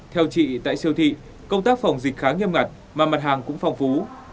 theo chị tại siêu thị công tác phòng dịch khá nghiêm ngặt mà mặt hàng cũng phong phú